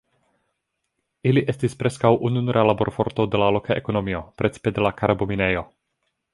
Ili estis preskaŭ ununura laborforto de la loka ekonomio, precipe de la karbo- minejo.